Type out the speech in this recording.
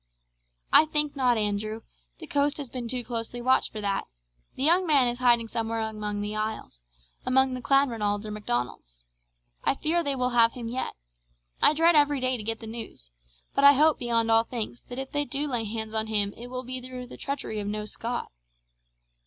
"'I think not, Andrew; the coast has been too closely watched for that. The young man is hiding somewhere among the isles, among the Clanranalds or Macdonalds. I fear they will have him yet. I dread every day to get the news; but I hope beyond all things, that if they do lay hands on him it will be through the treachery of no Scot.'